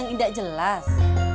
bapak juga gak jelas